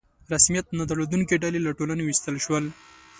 رسمیت نه درلودونکي ډلې له ټولنې ویستل شول.